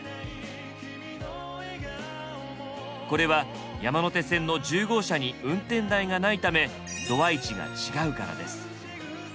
これは山手線の１０号車に運転台がないためドア位置が違うからです。